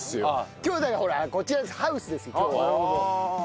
今日だからほらこちらハウスですよ今日は。